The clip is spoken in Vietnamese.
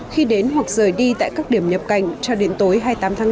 khi đến hoặc rời đi tại các điểm nhập cảnh cho đến tối hai mươi tám tháng năm